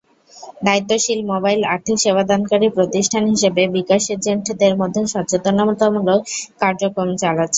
দায়িত্বশীল মোবাইল আর্থিক সেবাদানকারী প্রতিষ্ঠান হিসেবে বিকাশ এজেন্টদের মধ্যে সচেতনতামূলক কার্যক্রম চালাচ্ছে।